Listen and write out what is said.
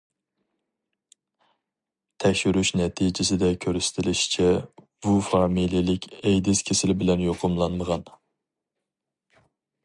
تەكشۈرۈش نەتىجىسىدە كۆرسىتىلىشىچە، ۋۇ فامىلىلىك ئەيدىز كېسىلى بىلەن يۇقۇملانمىغان.